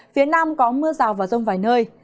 phía nam có mưa rào và rông vài nơi